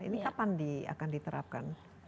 ini kapan akan diterapkan